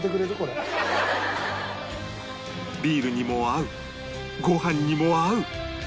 ビールにも合うご飯にも合う